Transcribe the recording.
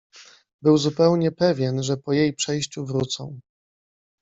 Był zupełnie pewien, że po jej przejściu wrócą.